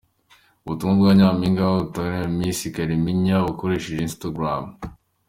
Ubutumwa ba Nyampinga batandukanye boherereje Miss Kalimpinya bakoresheje Instagram.